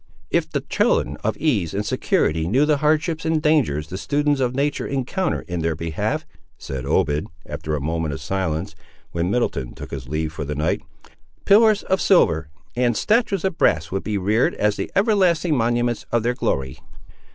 "If the children of ease and security knew the hardships and dangers the students of nature encounter in their behalf," said Obed, after a moment of silence, when Middleton took his leave for the night, "pillars of silver, and statues of brass would be reared as the everlasting monuments of their glory!"